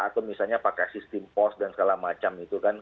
atau misalnya pakai sistem pos dan segala macam itu kan